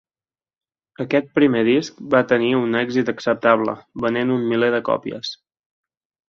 Aquest primer disc va tenir un èxit acceptable venent un miler de còpies.